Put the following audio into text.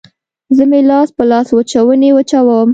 زه مې لاس په لاسوچوني وچوم